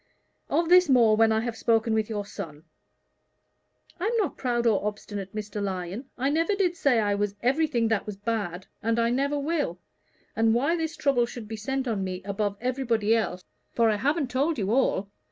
Of this more when I have spoken with your son." "I'm not proud or obstinate, Mr. Lyon. I never did say I was everything that was bad, and I never will. And why this trouble should be sent on me above everybody else for I haven't told you all.